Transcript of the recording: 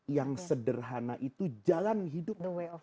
yang sederhana itu jalan hidup